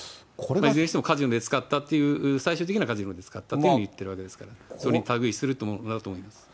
いずれにしても、カジノで使ったという、最終的にはカジノで使ったというふうに言ってるわけですから、それに類するものだと思います。